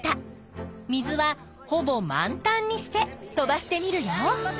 水は「ほぼ満タン」にして飛ばしてみるよ。